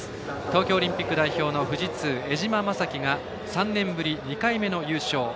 東京オリンピック代表の富士通、江島雅紀が３年ぶり２回目の優勝。